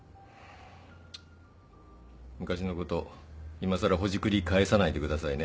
昔のこといまさらほじくり返さないでくださいね。